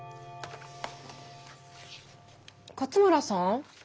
勝村さん